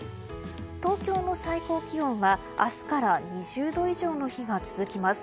東京の最高気温は明日から２０度以上の日が続きます。